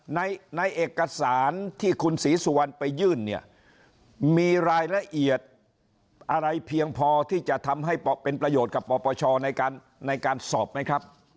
ในในเอกสารที่คุณศรีสุวรรณไปยื่นเนี่ยมีรายละเอียดอะไรเพียงพอที่จะทำให้เป็นประโยชน์กับปปชในการสอบไหมครับ